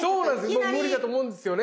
もう無理だと思うんですよね。